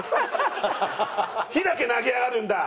火だけ投げやがるんだ！